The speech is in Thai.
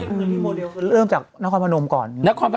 มีโมเดลเริ่มจากนครพนมก่อน